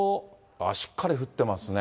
しっかり降ってますね。